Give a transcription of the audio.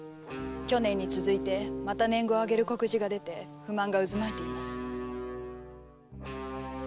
去年に続いてまた年貢を上げる告示が出て不満が渦巻いています。